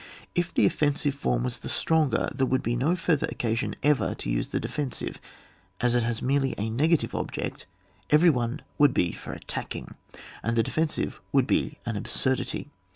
If the offensive form was the stronger there would be no further occasion ever to use the defensive, as it has merely a negative object, everyone would be for attacking, and the defensive would be an absurdity.